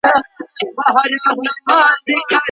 په بديو کي بايد نجوني هيڅکله هم ورنکړئ.